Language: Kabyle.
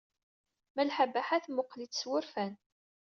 Malḥa Baḥa temmuqqel-itt s wurfan.